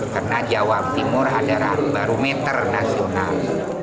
karena jawa timur adalah barometer nasional